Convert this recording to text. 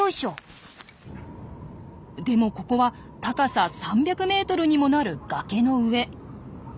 でもここは高さ３００ｍにもなる崖の上。